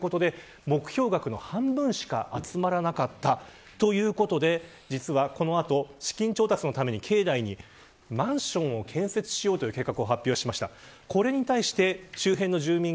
ただ、２２億円大きな金額ということで目標額の半分しか集まらなかった、ということでこの後資金調達のために境内にマンションを建設しようという計画を発表しました。